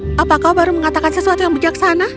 astaga apa kau baru mengatakan sesuatu yang bijaksana